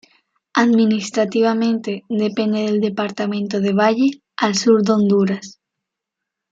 Administrativamente depende del Departamento de Valle al sur de Honduras.